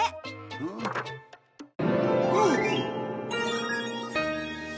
うん？おっ！